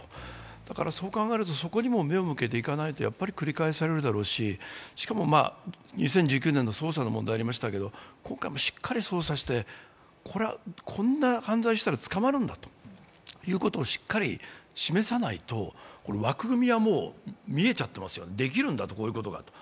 だから、そう考えると、そこにも目を向けていかないと繰り返されるだろうし、しかも、２０１９年の捜査の問題がありましたけれども、今回もしっかり捜査してこんな犯罪したら捕まるんだということをしっかり示さないと、枠組みはもう見えちゃってますよ、できるんだと、こういうことが。